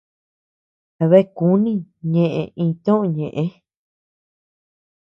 A bea kuni ñee iñtoʼö ñeʼë.